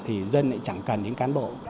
thì dân lại chẳng cần những cán bộ